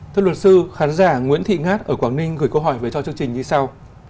thưa luật sư khán giả nguyễn thị ngát ở quảng ninh gửi câu hỏi về cho chương trình như sau